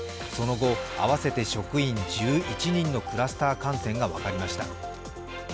その後、合わせて職員１１人のクラスター感染が分かりました。